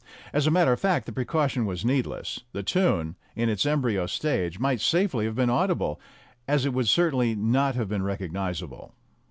As a matter of fact the precaution was needless; the tune, in its embryo stage, might safely have been audible as it would cer tainly not have been recognizable.